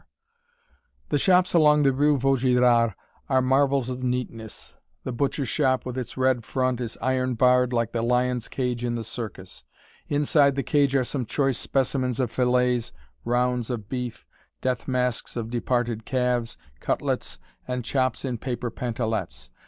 [Illustration: (rooftop)] The shops along the rue Vaugirard are marvels of neatness. The butcher shop, with its red front, is iron barred like the lion's cage in the circus. Inside the cage are some choice specimens of filets, rounds of beef, death masks of departed calves, cutlets, and chops in paper pantalettes.